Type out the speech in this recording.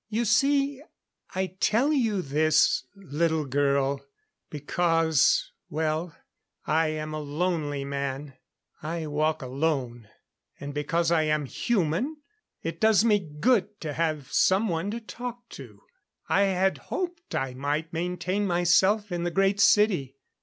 You see, I tell you this, little girl, because well I am a lonely man. I walk alone and because I am human it does me good to have someone to talk to. I had hoped I might maintain myself in the Great City.